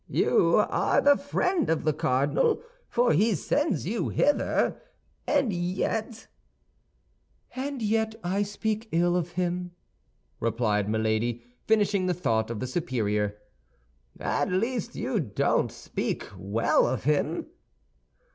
"You are the friend of the cardinal, for he sends you hither, and yet—" "And yet I speak ill of him," replied Milady, finishing the thought of the superior. "At least you don't speak well of him."